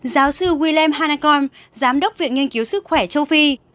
giáo sư william hanacom giám đốc viện nghiên cứu sức khỏe châu phi